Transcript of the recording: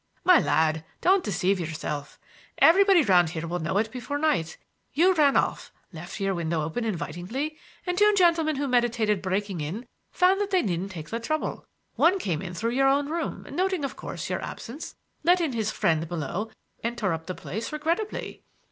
"My lad, don't deceive yourself. Everybody round here will know it before night. You ran off, left your window open invitingly, and two gentlemen who meditated breaking in found that they needn't take the trouble. One came in through your own room, noting, of course, your absence, let in his friend below, and tore up the place regrettably."